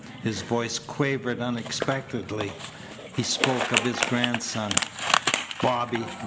His voice quavered unexpectedly. He spoke of his grandson: "Bobby!